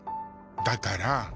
だから。